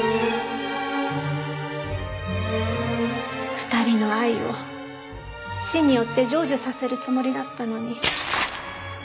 ２人の愛を死によって成就させるつもりだったのに。